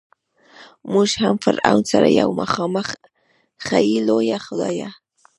مونږ هم فرعون سره یو مخامخ ای لویه خدایه.